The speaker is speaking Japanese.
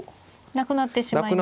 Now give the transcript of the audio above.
なくなってしまいます。